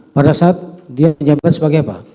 pada saat dia jaminkan sebagai apa